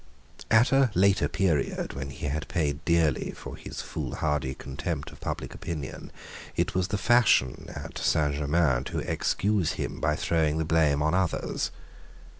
At a later period, when he had paid dearly for his foolhardy contempt of public opinion, it was the fashion at Saint Germains to excuse him by throwing the blame on others.